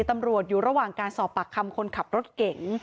ตำรวจอยู่ระหว่างการสอบปากคำคนขับรถเก่ง